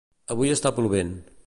avui està plovent